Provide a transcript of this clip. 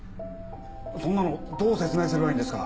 そんなのどう説明すればいいんですか？